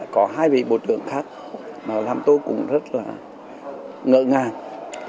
có hai vị bộ trưởng khác làm tôi cũng rất là ngỡ ngàng